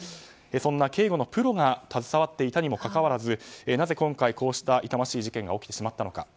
そんな警護のプロが携わっていたにもかかわらずなぜ今回、こうした痛ましい事件が起きてしまったのか。